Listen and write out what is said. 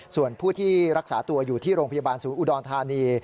ส่วนผู้ที่รักษาตัวอยู่ที่โรงพยาบาลศูนย์อุดรธานี